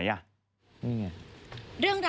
สวัสดีครับ